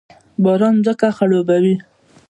باران ځمکه خړوبوي